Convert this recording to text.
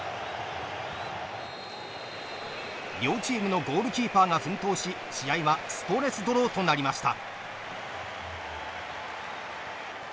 両チームのゴールキーパーが奮闘し試合はスコアレスドローとなりました。